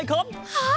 はい！